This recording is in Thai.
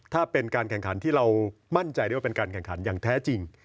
ถ้าเป็นการแข่งขันที่เรามั่นใจได้ว่าเป็นการแข่งขันอย่างแท้จริง